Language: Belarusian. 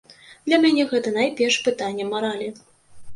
Для мяне гэта найперш пытанне маралі.